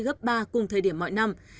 gấp ba cùng thời điểm mọi năm